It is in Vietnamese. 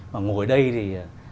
mà ngồi đây thì